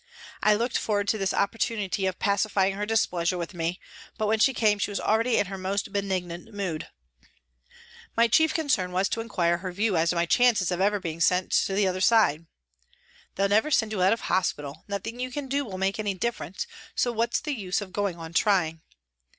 I looked forward to this opportunity of pacifying her displeasure with me, but when she came she was already in her most benignant mood. My chief concern was to inquire her view as to my chances of ever being sent to the other side. " They'll never send you out of hospital, nothing you can do will make any difference, so what's the use of going on trying